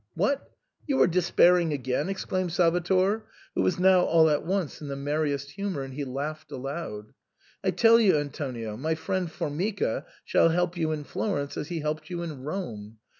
" What ! you are despairing again ?" exclaimed Sal vator, who was now all at once in the merriest humour, and he laughed aloud. " I tell you, Antonio, my friend Formica shall help you in Florence as he helped you in Rome.